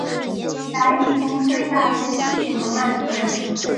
去摘一株最大最金黄的麦穗